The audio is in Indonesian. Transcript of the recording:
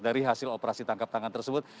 dari hasil operasi tangkap tangan tersebut